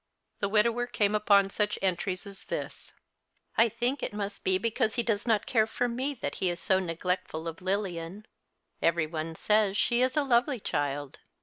The widower came upon such entries as this: "I think it must be because he does not care for me that he is so neglectful of liilian. Every one says she is a lovely child.